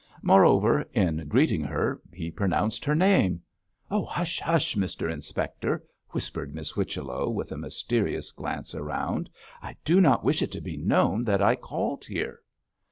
Moreover, in greeting her he pronounced her name. 'Hush, hush, Mr Inspector,' whispered Miss Whichello, with a mysterious glance around. 'I do not wish it to be known that I called here.'